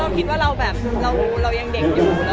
ค่ะต้องคิดว่าเรารู้เรายังเด็กอยู่